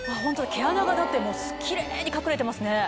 毛穴がキレイに隠れてますね。